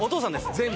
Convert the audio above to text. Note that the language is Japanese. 全部？